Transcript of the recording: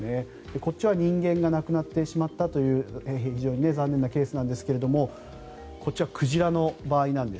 こっちは人間が亡くなってしまった非常に残念なケースなんですがこっちは鯨の場合です。